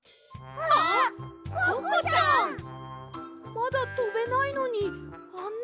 まだとべないのにあんな